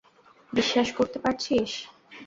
বিশ্বাস করতে পারছিস?